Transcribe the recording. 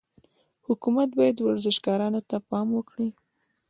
حکومت باید ورزشکارانو ته پام وکړي.